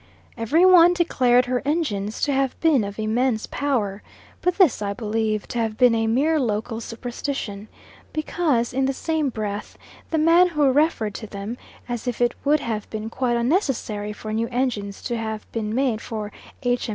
Every one declared her engines to have been of immense power, but this I believe to have been a mere local superstition; because in the same breath, the man who referred to them, as if it would have been quite unnecessary for new engines to have been made for H.